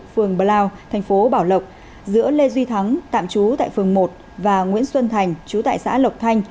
phường blau thành phố bảo lộc giữa lê duy thắng tạm trú tại phường một và nguyễn xuân thành chú tại xã lộc thanh